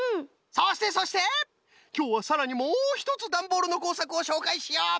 そしてそしてきょうはさらにもうひとつダンボールのこうさくをしょうかいしよう。